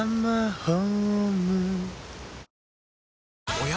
おや？